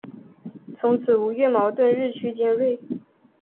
从此吴越矛盾日趋尖锐。